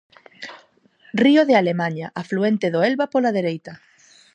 Río de Alemaña, afluente do Elba pola dereita.